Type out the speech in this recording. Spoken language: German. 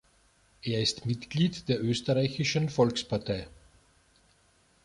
Er ist Mitglied der Österreichischen Volkspartei.